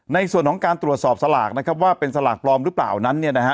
ในส่วนของการตรวจสอบสลากนะครับว่าเป็นสลากปลอมหรือเปล่านั้นเนี่ยนะฮะ